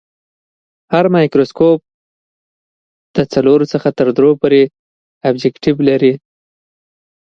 هر مایکروسکوپ څلور تر دریو پورې ابجکتیف لري.